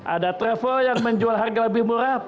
ada travel yang menjual harga lebih murah